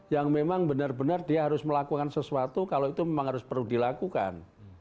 yang memang benar benar dia harus melakukan sesuatu kalau itu memang harus perlu dilakukan